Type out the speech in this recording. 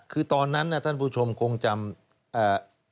คือตอนนั้นน่ะท่านผู้ชมคงจำอ่า